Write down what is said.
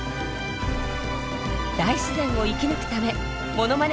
大自然を生き抜くためモノマネ